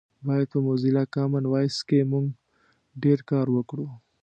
باید په موزیلا کامن وایس کې مونږ ډېر کار وکړو